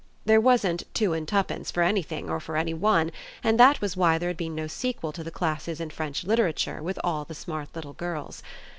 There wasn't "two and tuppence" for anything or for any one, and that was why there had been no sequel to the classes in French literature with all the smart little girls.